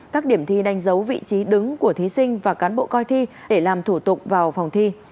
các điểm thi đánh dấu vị trí đứng của thí sinh và cán bộ coi thi để làm thủ tục vào phòng thi